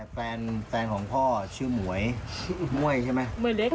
แฟนของพ่อชื่อหมวยชื่อห้วยใช่ไหม